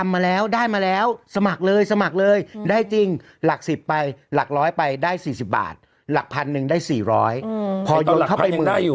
หลักร้อยไปได้๔๐บาทหลักพันหนึ่งได้๔๐๐บาท